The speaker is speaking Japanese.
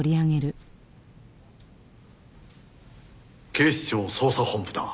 警視庁捜査本部だ。